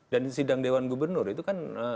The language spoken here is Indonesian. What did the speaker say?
dan sidang dewan gubernur itu kan